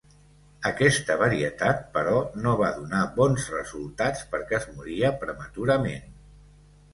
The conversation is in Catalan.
Aquesta varietat, però no va donar bons resultats perquè es moria prematurament.